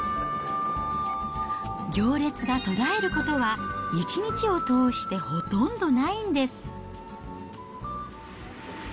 行列が途絶えることは一日を通してほとんどないんです。